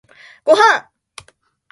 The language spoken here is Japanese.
ごはん